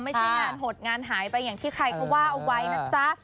ไม่ใช่งานหดงานหายไปอย่างที่ใครเขาว่าเอาไว้นะจ๊ะ